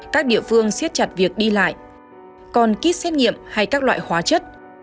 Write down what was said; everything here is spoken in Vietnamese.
các địa phương siết chặt việc đi lại còn kit xét nghiệm hay các loại hóa chất